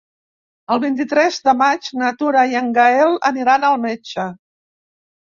El vint-i-tres de maig na Tura i en Gaël aniran al metge.